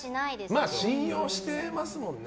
信用してますもんね。